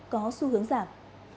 có xu hướng giảm